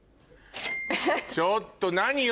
ちょっと何よ